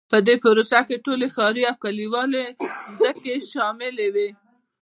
په دې پروسه کې ټولې ښاري او کلیوالي ځمکې شاملې وې.